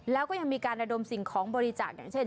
แล้วก็ยังมีการระดมสิ่งของบริจาคอย่างเช่น